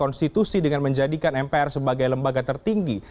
konstitusi dengan menjadikan mpr sebagai lembaga tertinggi